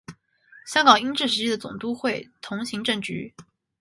香港英治时期的总督会同行政局。